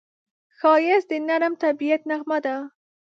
ښایست د نرم طبیعت نغمه ده